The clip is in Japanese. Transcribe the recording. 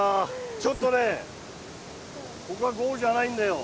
ちょっとね、ここはゴールじゃないんだよ。